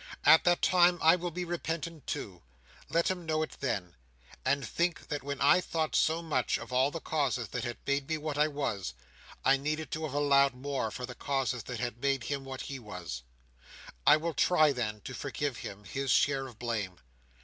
At that time, I will be repentant too—let him know it then—and think that when I thought so much of all the causes that had made me what I was, I needed to have allowed more for the causes that had made him what he was. I will try, then, to forgive him his share of blame.